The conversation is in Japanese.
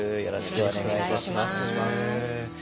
よろしくお願いします。